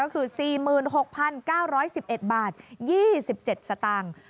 ก็คือ๔๖๙๑๑บาท๒๗สตางค์